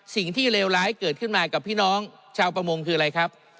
เลวร้ายเกิดขึ้นมากับพี่น้องชาวประมงคืออะไรครับ